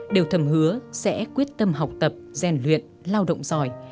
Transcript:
đều thầm hứa sẽ quyết tâm học tập gian luyện lao động giỏi